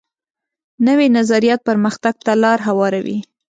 نوی نظریات پرمختګ ته لار هواروي